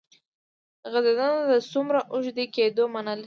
غځېدنه د څومره اوږدې کېدو معنی لري.